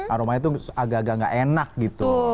aromanya itu agak agak enak gitu